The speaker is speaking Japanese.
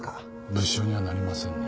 物証にはなりませんね。